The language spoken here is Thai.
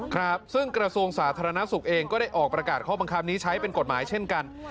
ครับซึ่งกระทรวงสาธารณสุขเองก็ได้ออกประกาศข้อบังคับนี้ใช้เป็นกฎหมายเช่นกัน